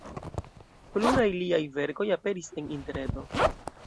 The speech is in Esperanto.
Pluraj liaj verkoj aperis en interreto.